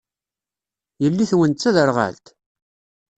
Yelli-twen d taderɣalt?